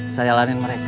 saya lanin mereka